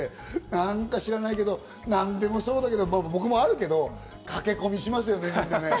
なんか知らないけど、何でもそうだけど、僕もあるけど、駆け込みしますよね、みんなね。